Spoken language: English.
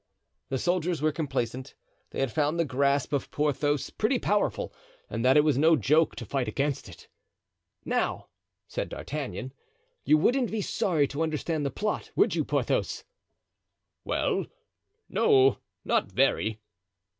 The soldiers were complaisant; they had found the grasp of Porthos pretty powerful and that it was no joke to fight against it. "Now," said D'Artagnan, "you wouldn't be sorry to understand the plot, would you, Porthos?" "Well, no, not very."